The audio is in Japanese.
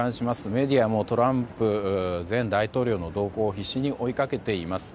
メディアもトランプ前大統領の動向を必死に追いかけています。